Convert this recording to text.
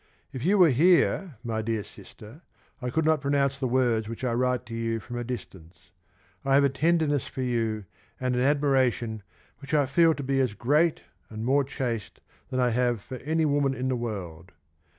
If you were here, my dear Sister, I could not pronounce the words which I can write to you from a distance : I have a tenderness for you, and an admiration which I feel to be as great and more chaste than I can have for any woman in the world.